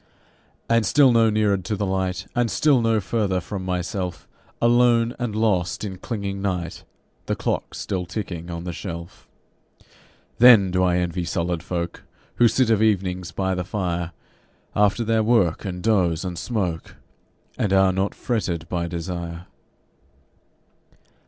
And still no neared to the Light, And still no further from myself, Alone and lost in clinging night (The clock's still ticking on the shelf). Then do I envy solid folk Who sit of evenings by the fire, After their work and doze and smoke, And are not fretted by desire.